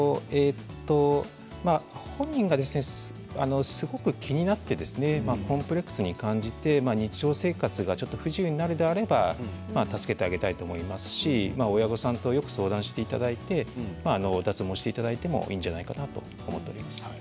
本人がすごく気になってコンプレックスに感じて日常生活が不自由になるのであれば助けてあげたいと思いますし親御さんとよく相談していただいて脱毛をしていただいてもいいんじゃないかなと思っています。